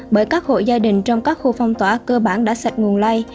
bởi các hộ gia đình trong các khu phong tỏa cơ bản đã sạch nguồn lây